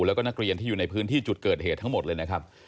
แล้วก็นักเรียนที่อยู่ในพื้นที่จุดเกิดเหตุทั้งหมดเลยนะครับ